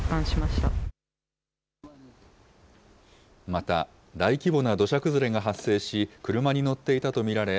また、大規模な土砂崩れが発生し、車に乗っていたと見られ、